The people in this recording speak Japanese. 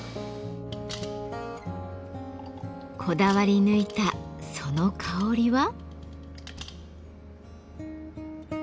こだわり抜いたその香りは？